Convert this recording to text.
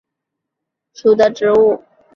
四孔草为鸭跖草科蓝耳草属的植物。